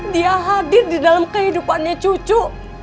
dia hadir di dalam kehidupannya cucu